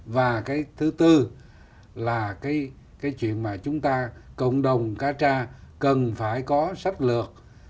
và cái thứ tư là cái chuyện mà chúng ta cộng đồng cá tra cần phải có sách lược